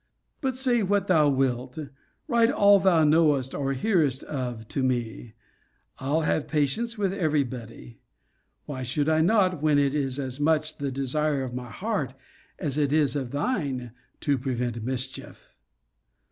But say what thou wilt, write all thou knowest or hearest of to me, I'll have patience with every body. Why should I not, when it is as much the desire of my heart, as it is of thine, to prevent mischief?